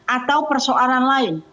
atau persoalan lain